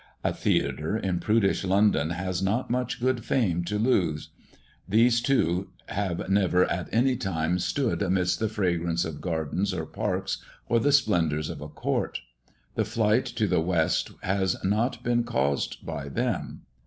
A theatre in prudish London has not much good fame to lose; these two have never at any time stood amidst the fragrance of gardens or parks, or the splendours of a court. The flight to the west has not been caused by them.